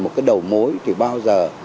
một đầu mối thì bao giờ